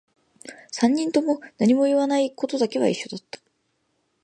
三人とも何も言わないことだけは一緒だった